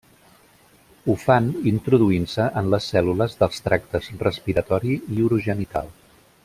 Ho fan introduint-se en les cèl·lules dels tractes respiratori i urogenital.